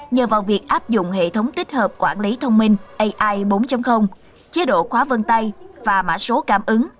nhờ vào việc áp dụng hệ thống tích hợp quản lý thông minh ai bốn chế độ khóa vân tay và mã số cảm ứng